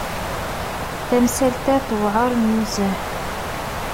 Tamsalt-a tewɛer nezzeh.